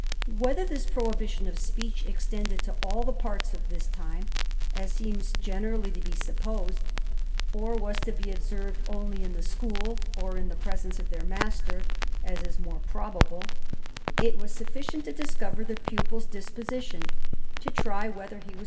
Whether this prohibition of speech extended to all the parts of this time, as seems generally to be supposed, or was to be observed only in the school or in the presence of their master, as is more probable, it was sufficient to discover the pupil's disposition ; to try whether THE RAMBLER.